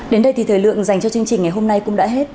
đến đây thì thời lượng dành cho chương trình ngày hôm nay cũng đã hết